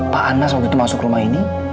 pak anas waktu itu masuk rumah ini